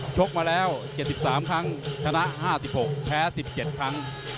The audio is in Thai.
ชกมาแล้ว๗๓ครั้งชนะ๕๖แพ้๑๗ครั้ง